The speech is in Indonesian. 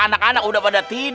anak anak udah pada